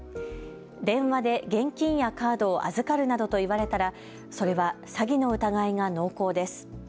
電話で現金やカードを預かるなどと言われたらそれは詐欺の疑いが濃厚です。